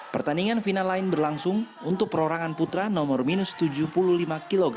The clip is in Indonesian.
pertandingan final lain berlangsung untuk perorangan putra nomor minus tujuh puluh lima kg